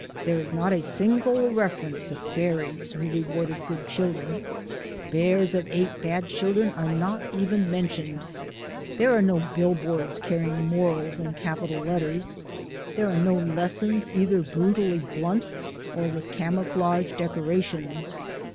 There is not a single reference to fairies who rewarded good children; bears that ate bad children are not even mentioned. There are no billboards carrying morals in capital letters. There are no lessons either brutally blunt or with camouflage decorations.